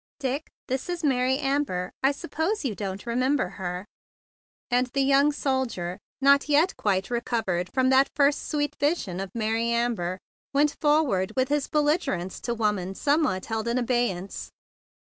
"Dick, this is Mary Amber; I sup¬ pose you don't remember her." And the young soldier, not yet quite recovered from that first sweet vision of Mary Amber, went forward with his belligerence to woman somewhat held in abeyance.